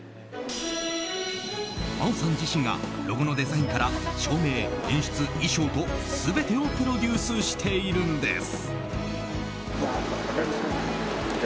真央さん自身がロゴのデザインから照明、演出、衣装と全てをプロデュースしているんです。